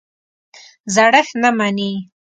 زړښت نه مني.